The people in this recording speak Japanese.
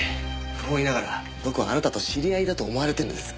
不本意ながら僕はあなたと知り合いだと思われてるんです。